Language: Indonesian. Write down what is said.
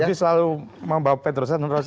uji selalu membawa pedrosa menrosi